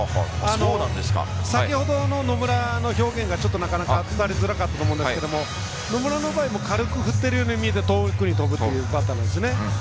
先ほどの野村の表現がなかなか伝わりづらかったと思うんですが野村の場合は軽く振って見えて特に飛ぶバッターなんですね。